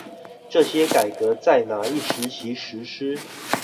這些改革在那一時期實施